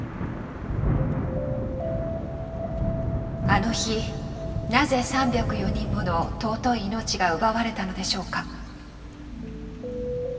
あの日なぜ３０４人もの尊い命が奪われたのでしょうか。